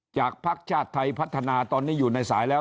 ภักดิ์ชาติไทยพัฒนาตอนนี้อยู่ในสายแล้ว